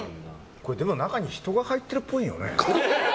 これ中に人が入ってるっぽいよね。